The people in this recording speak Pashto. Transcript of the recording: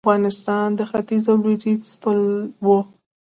افغانستان د ختیځ او لویدیځ پل و